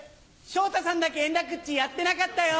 昇太さんだけ円楽っちやってなかったよ。